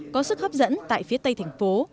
có sức hấp dẫn tại phía tây thành phố